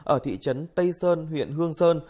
ở thị trấn tây sơn huyện hương sơn